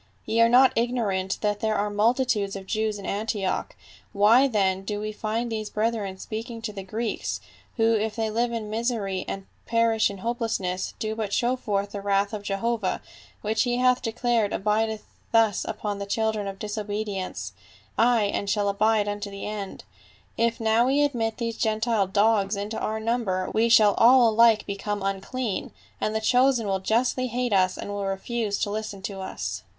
Ye are not ignorant that there are multi tudes of Jews in Antioch, why then do we find these brethren speaking to the Greeks, who if they live in misery and perish in hopelessness do but show forth 15 226 PA UL. the wrath of Jehovah, which he hath declared abidcth thus upon the children of disobedience — ay, and shall abide unto the end. If now we admit these Gentile dogs into our number we shall all alike become unclean ; and the chosen will justly hate us and will refuse to listen to us."